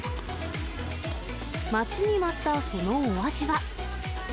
待ちに待ったそのお味は。